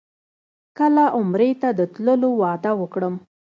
کله عمرې ته د تللو وعده وکړم.